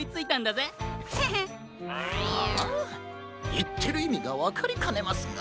いってるいみがわかりかねますが。